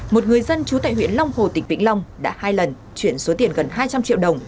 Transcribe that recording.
một người dân chú tại huyện long hồ tỉnh vĩnh long đã hai lần chuyển số tiền gần hai trăm linh triệu đồng